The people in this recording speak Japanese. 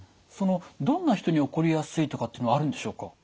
そのどんな人に起こりやすいとかっていうのはあるんでしょうか？